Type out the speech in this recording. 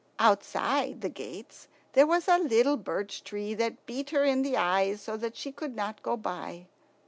Outside the gates there was a little birch tree that beat her in the eyes so that she could not go by.